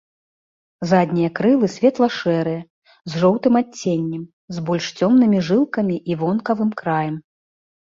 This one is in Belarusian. Заднія крылы светла-шэрыя, з жоўтым адценнем, з больш цёмнымі жылкамі і вонкавым краем.